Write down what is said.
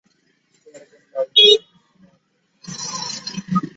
তিনি একজন রাজনীতিবিদ, আইনজীবী, সমাজসেবক ছিলেন।